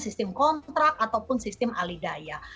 sistem kontrak ataupun sistem alidaya